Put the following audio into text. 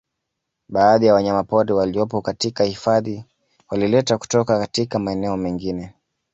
Baadhi ya wanyamapori waliopo katika hifadhi waliletwa kutoka katika maeneo mengine